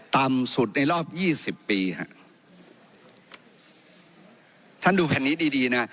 ต่ำสุดในรอบ๒๐ปีค่ะท่านดูแผ่นนี้ดีนะ